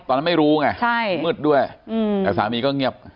ตอนนั้นไม่รู้ไงมืดด้วยแต่สามีก็เงียบ